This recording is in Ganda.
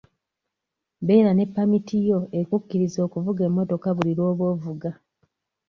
Beera ne ppamiti yo ekukkiriza okuvuga emmotoka buli lw'oba ovuga.